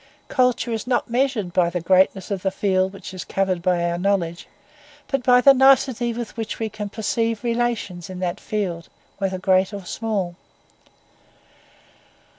Culture is not measured by the greatness of the field which is covered by our knowledge, but by the nicety with which we can perceive relations in that field, whether great or small.